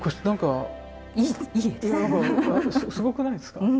何かすごくないですか？